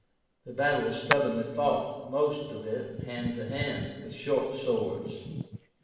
The battle was stubbornly fought, most of it hand to hand, with short swords.